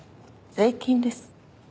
税金です。